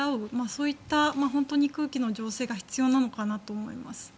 そういった空気の醸成が必要なのかなと思います。